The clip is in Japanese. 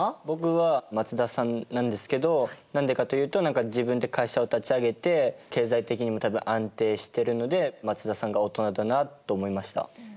僕は松田さんなんですけど何でかというと何か自分で会社を立ち上げて経済的にも多分安定してるので松田さんがオトナだなと思いました。